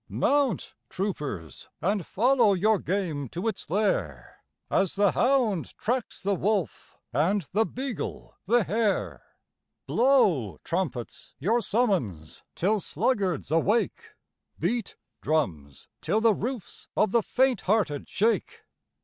Mount, troopers, and follow your game to its lair, As the hound tracks the wolf and the beagle the hare! Blow, trumpets, your summons, till sluggards awake! Beat, drums, till the roofs of the faint hearted shake!